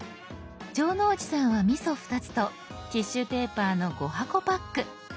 城之内さんはみそ２つとティッシュペーパーの５箱パック。